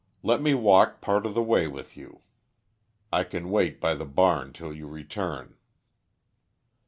Let me walk part of the way with you. I can wait by the barn till you return."